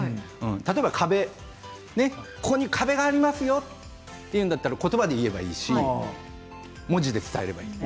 例えばここに壁がありますよって言うんだったらことばで言えばいいし文字で伝えればいい。